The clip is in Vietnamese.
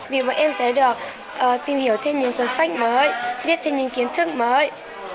vì bọn em sẽ được tìm hiểu thêm những cuốn sách mới biết thêm những kiến thức mới